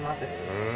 へえ。